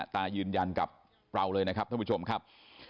ตายืนยันกับเราเลยนะครับท่านผู้ชมครับ